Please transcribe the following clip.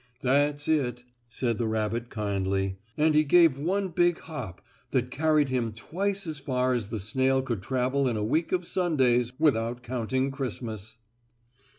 "That's it," said the rabbit kindly, and he gave one big hop that carried him twice as far as the snail could travel in a week of Sundays without counting Christmas.